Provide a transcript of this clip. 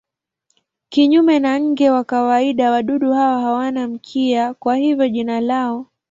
Kinyume na nge wa kawaida wadudu hawa hawana mkia, kwa hivyo jina lao.